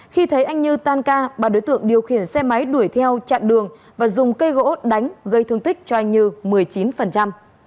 khi thấy anh như tan ca ba đối tượng điều khiển xe máy đuổi theo chặn đường và dùng cây gỗ đánh gây thương tích cho anh như một mươi chín